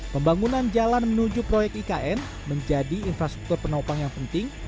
pembangunan jalan menuju proyek ikn menjadi infrastruktur penopang yang penting